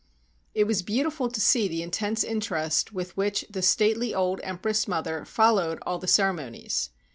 It was beautiful to see the intense interest with which the stately old empress mother followed all the cere monies.